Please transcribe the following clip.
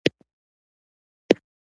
کاناډا نړۍ ته ډیر غنم لیږي.